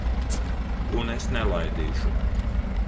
Un es nelaidīšu.